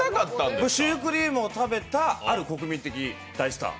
シュークリームを食べたある国民的大スター。